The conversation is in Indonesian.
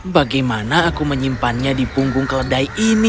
bagaimana aku menyimpannya di punggung keledai ini